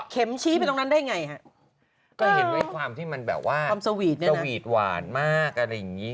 เช็มชี้ไปตรงนั้นได้ไงความที่มันแบบว่าสวีทหวานมากอะไรอย่างงี้